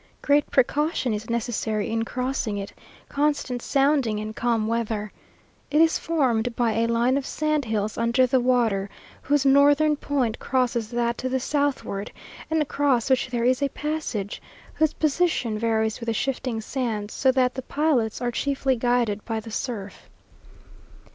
Great precaution is necessary in crossing it, constant sounding, and calm weather. It is formed by a line of sandhills under the water, whose northern point crosses that to the southward, and across which there is a passage, whose position varies with the shifting sands, so that the pilots are chiefly guided by the surf.